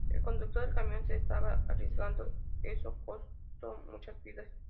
El conductor del camión se estaba arriesgando eso costó muchas vidas".